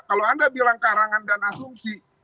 kalau anda bilang karangan dan asumsi